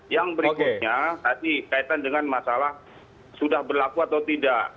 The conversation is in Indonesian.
yang berikutnya tadi kaitan dengan masalah sudah berlaku atau tidak